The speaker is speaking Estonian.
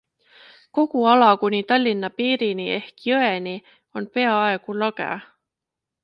Kogu ala kuni Tallinna piirini ehk jõeni on peaaegu lage.